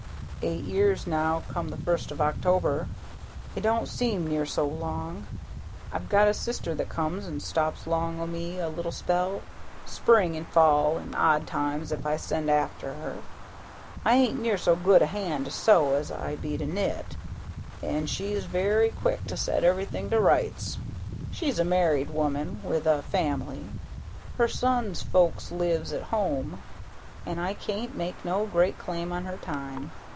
"Eight year now, come the first of October. It don't seem near so long. I've got a sister that comes and stops 'long o' me a little spell, spring an' fall, an' odd times if I send after her. I ain't near so good a hand to sew as I be to knit, and she's very quick to set everything to rights. She's a married woman with a family; her son's folks lives at home, an' I can't make no great claim on her time.